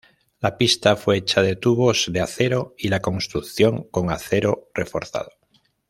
La pista fue hecha de tubos de acero y la construcción con acero reforzado.